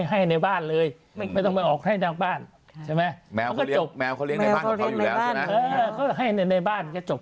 ให้ในบ้านเลยไม่ต้องออกให้นักบ้านใช่ไหมไม่เหรอเนี่ยเขาเรียกตามมาเขาในบ้านก็จบ